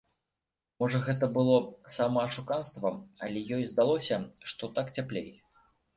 Можа гэта было самаашуканства, але ёй здалося, што так цяплей.